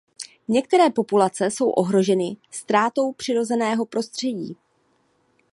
Některé populace jsou ohroženy ztrátou přirozeného prostředí.